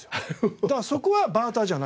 だからそこはバーターじゃないんです。